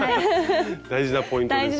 大事なポイントですよね。